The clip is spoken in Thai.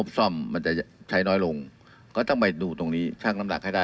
ว่ายากต้องไปดูตรงนี้ชั่นนรมดักให้ได้